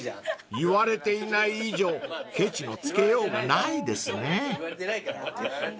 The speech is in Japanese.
［言われていない以上けちのつけようがないですね］